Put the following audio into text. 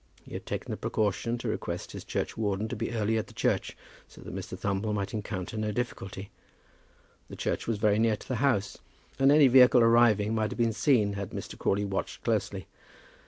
He had taken the precaution to request his churchwarden to be early at the church, so that Mr. Thumble might encounter no difficulty. The church was very near to the house, and any vehicle arriving might have been seen had Mr. Crawley watched closely.